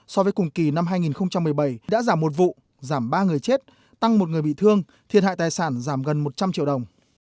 so với cùng kỳ năm hai nghìn một mươi bảy đã giảm một vụ giảm ba người chết tăng một người bị thương thiệt hại tài sản giảm gần một trăm linh triệu đồng